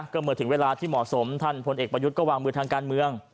ก็เมื่อถึงเวลาที่เหมาะสมท่านพลเอกประยุทธ์ก็วางมือทางการเมือง